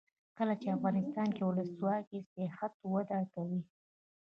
کله چې افغانستان کې ولسواکي وي سیاحت وده کوي.